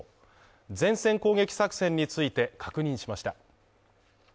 前線攻撃作戦について確認しました。